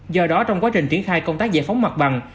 do đó trong quá trình triển khai công tác giải phóng mặt bằng